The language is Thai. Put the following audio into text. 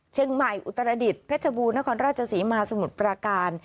เชียงใหม่อุตรดิษฐ์เพชรบูรณ์นครราชสีมาสมุทรประการ